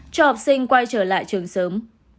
cho học sinh quay trở lại trường sớm